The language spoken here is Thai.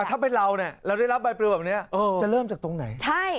ถ้าเป็นเราเนี่ยเราได้รับใบปริวแบบนี้จะเริ่มจากตรงไหน